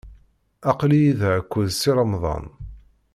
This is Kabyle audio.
Aql-iyi da akked Si Remḍan.